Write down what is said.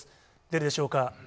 出るでしょうか。